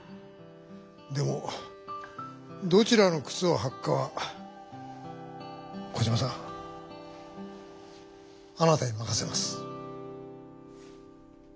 でもどちらのくつをはくかはコジマさんあなたに任せます。